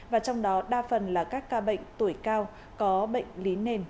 và trong đó đa phần là các ca bệnh tuổi cao có bệnh lý nền